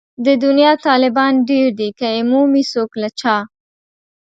د دنيا طالبان ډېر دي که يې مومي څوک له چا